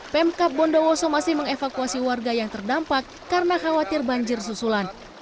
pemkap bondowoso masih mengevakuasi warga yang terdampak karena khawatir banjir susulan